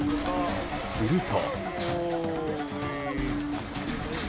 すると。